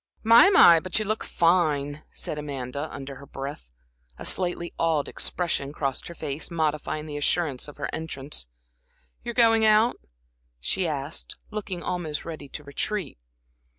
"My, but you look fine!" said Amanda, under her breath. A slightly awed expression crossed her face, modifying the assurance of her entrance. "You're going out?" she asked, looking almost ready to retreat.